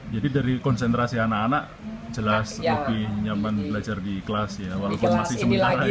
jadi dari konsentrasi anak anak jelas lebih nyaman belajar di kelas ya walaupun masih sementara